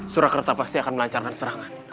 surakarta pasti akan melancarkan serangan